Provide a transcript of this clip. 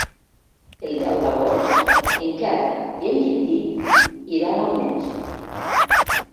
El deu d'agost en Quel i en Quintí iran al metge.